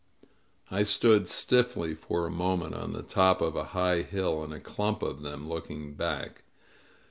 I stood stiffly for a moment on the top of a high hill, in a clump of them, looking back.